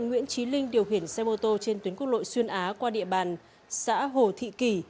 nguyễn trí linh điều huyện xe mô tô trên tuyến quốc lội xuân á qua địa bàn xã hồ thị kỳ